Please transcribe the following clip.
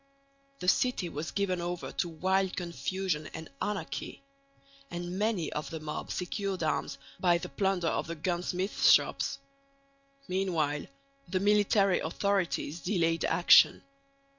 The city was given over to wild confusion and anarchy; and many of the mob secured arms by the plunder of the gun smiths' shops. Meanwhile the military authorities delayed action.